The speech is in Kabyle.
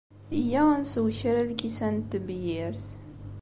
Iyya ad nsew kra n lkisan n tebyirt.